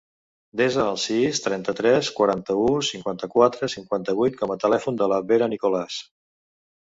Desa el sis, trenta-tres, quaranta-u, cinquanta-quatre, cinquanta-vuit com a telèfon de la Vera Nicolas.